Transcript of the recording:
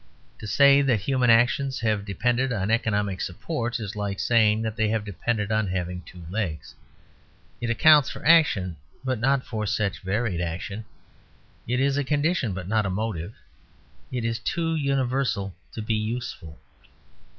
To say that human actions have depended on economic support is like saying that they have depended on having two legs. It accounts for action, but not for such varied action; it is a condition, but not a motive; it is too universal to be useful.